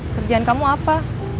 kerjaan kamu apa